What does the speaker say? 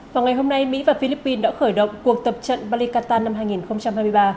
vào ngày hôm nay mỹ và philippines đã khởi động cuộc tập trận bali qatar năm hai nghìn hai mươi ba